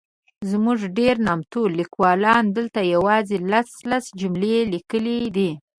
زموږ ډېر نامتو لیکوالانو دلته یوازي لس ،لس جملې لیکلي دي.